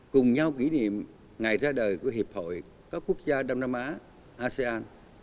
cùng nhau kỷ niệm ngày ra đời của hiệp hội các quốc gia đông nam á asean